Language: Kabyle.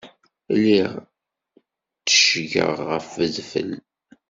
Lliɣ tteccgeɣ ɣef wedfel.